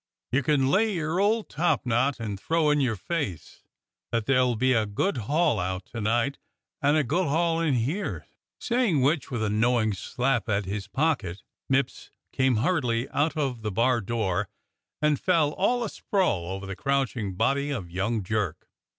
"You can lay your old topknot, and throw in your face, that there'll be a good haul out to night, and a good haul in here," saying which, with a knowing slap at his pocket, Mipps came hurriedly out of the bar door and fell all a sprawl over the crouching body of young Jerk.